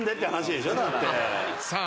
さあ